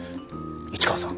市川さん